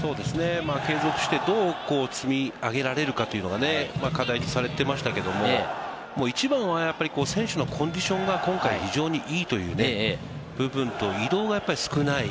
継続して、どう積み上げられるかというのが課題とされていましたけれども、一番は選手のコンディションが今回、非常にいいということで、移動が少ない。